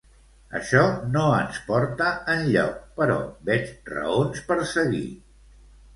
Això no ens porta enlloc però veig raons per seguir.